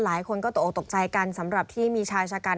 หลายคนก็ตกออกตกใจกันสำหรับที่มีชายชะกัน